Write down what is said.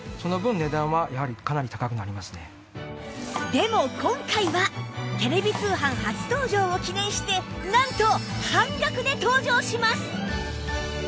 でも今回はテレビ通販初登場を記念してなんと半額で登場します！